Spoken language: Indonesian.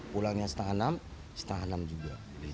pulangnya setengah enam setengah enam juga